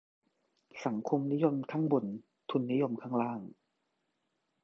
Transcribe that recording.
"สังคมนิยมข้างบน ทุนนิยมข้างล่าง"